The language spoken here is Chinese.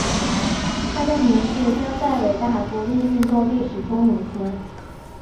他的名字将在伟大独立运动历史中永存。